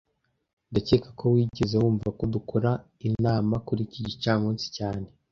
Ndakeka ko wigeze wumva ko dukora inama kuri iki gicamunsi cyane